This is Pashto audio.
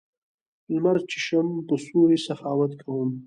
لمر چېښم په سیوري سخاوت کوم